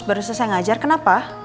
baru selesai ngajar kenapa